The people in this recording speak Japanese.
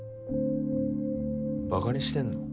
ばかにしてんの？